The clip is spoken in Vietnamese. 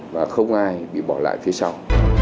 và không ai bị bỏ lại phía sau